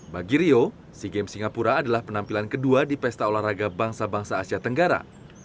bagi rio sea games singapura adalah penampilan kedua di pesta olahraga bangsa bangsa asia tenggara